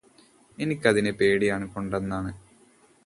എനിക്കതിനെ പേടിയായത് കൊണ്ടാണെന്നാണ്